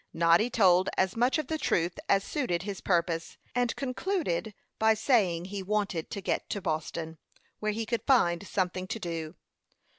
Noddy told as much of the truth as suited his purpose, and concluded by saying he wanted to get to Boston, where he could find something to do.